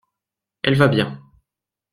Elle va bien.